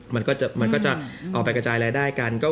มันก็จะเอาไปกระจายรายได้กัน